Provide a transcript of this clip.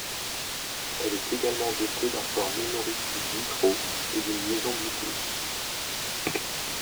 Elle est également dotée d'un port Memory Stick Micro et d'une liaison Bluetooth.